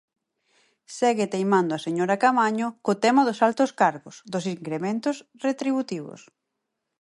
Segue teimando a señora Caamaño co tema dos altos cargos, dos incrementos retributivos.